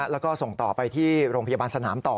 แล้วก็ส่งต่อไปที่โรงพยาบาลสนามต่อ